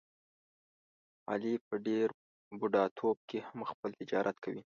علي په ډېر بوډاتوب کې هم خپل تجارت کوي.